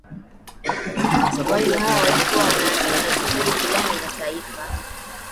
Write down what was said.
wayu hawa walikuwa wanachama wa kundi fulani la taifa